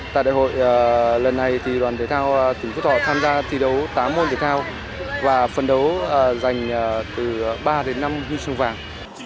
tại đại hội lần này thì đoàn thể thao tỉnh phú thọ tham gia thi đấu tám môn thể thao và phần đấu dành từ ba đến năm huyên sông vàng